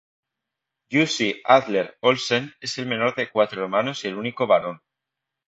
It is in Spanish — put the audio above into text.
Jussi Adler-Olsen es el menor de cuatro hermanos y el único varón.